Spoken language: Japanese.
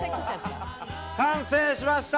完成しました！